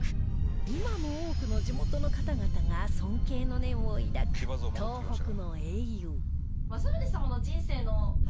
今も多くの地元の方々が尊敬の念を抱く東北の英雄